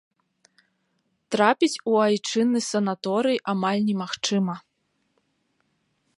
Трапіць у айчынны санаторый амаль немагчыма.